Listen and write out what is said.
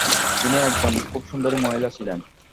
তিনি একজন খুব সুন্দরী মহিলা ছিলেন।